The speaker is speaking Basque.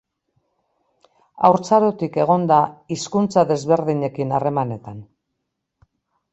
Haurtzarotik egon da hizkuntza desberdinekin harremanetan.